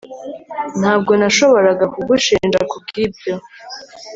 Ntabwo nashoboraga kugushinja kubwibyo